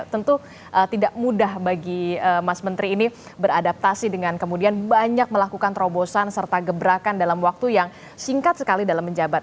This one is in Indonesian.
tentu tidak mudah bagi mas menteri ini beradaptasi dengan kemudian banyak melakukan terobosan serta gebrakan dalam waktu yang singkat sekali dalam menjabat